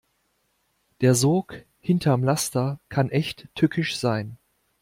Der Sog hinterm Laster kann echt tückisch sein.